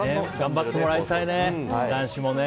頑張ってもらいたいね、男子も。